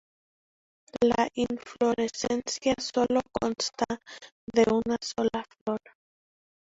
La inflorescencia sólo consta de una sola flor.